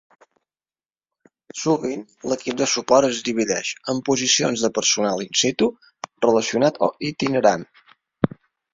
Sovint, l'equip de suport es divideix en posicions de personal in situ, relacionat o itinerant.